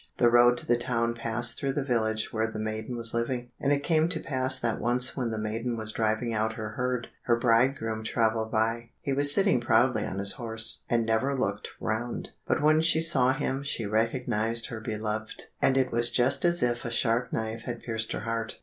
The road to the town passed through the village where the maiden was living, and it came to pass that once when the maiden was driving out her herd, her bridegroom travelled by. He was sitting proudly on his horse, and never looked round, but when she saw him she recognized her beloved, and it was just as if a sharp knife had pierced her heart.